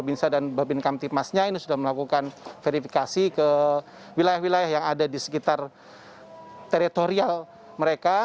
binsa dan babin kamtipmasnya ini sudah melakukan verifikasi ke wilayah wilayah yang ada di sekitar teritorial mereka